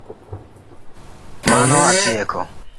Mano atieko